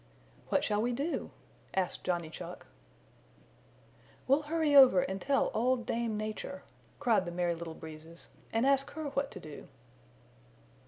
"What shall we do?" asked Johnny Chuck. "We'll hurry over and tell Old Dame Nature," cried the Merry Little Breezes, "and ask her what to do."